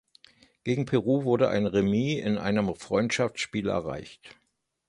Gegen Peru wurden ein Remis in einem Freundschaftsspiel erreicht.